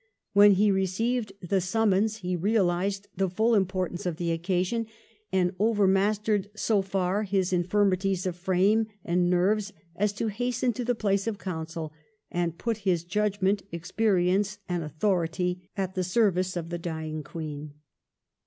When he received the summons he realised the full importance of the occasion, and overmastered so far his infirmities of frame and nerves as to hasten to the place of council and put his judgment, ex perience, and authority at the service of the dying Queen.